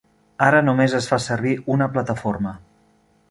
Ara només es fa servir una plataforma.